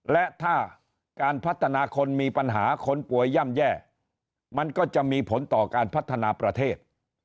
และถ้าการพัฒนาคนมีปัญหาคนป่วยย่ำแย่มันก็จะมีผลต่อการพัฒนาประเทศ